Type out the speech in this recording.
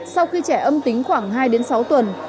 sau khi trẻ âm tính khoảng hai đến sáu tuần